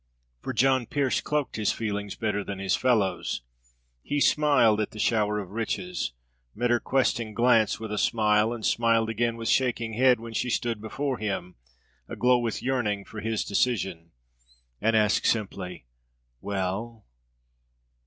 For John Pearse cloaked his feelings better than his fellows; he smiled at the shower of riches, met her questing glance with a smile, and smiled again with shaking head when she stood before him, aglow with yearning for his decision, and asked simply: "Well?"